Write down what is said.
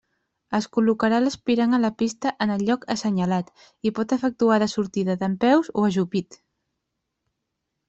Es col·locarà l'aspirant a la pista en el lloc assenyalat, i pot efectuar la sortida dempeus o ajupit.